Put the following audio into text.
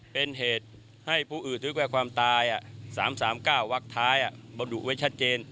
เป็นเหตุให้ผู้อื่นถึงแก่ความตาย๓๓๙วักท้ายบรรดุไว้ชัดเจน